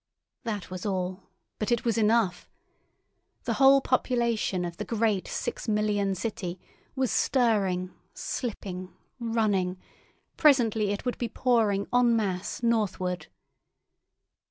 That was all, but it was enough. The whole population of the great six million city was stirring, slipping, running; presently it would be pouring en masse northward.